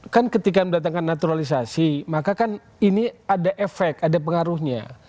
kan ketika mendatangkan naturalisasi maka kan ini ada efek ada pengaruhnya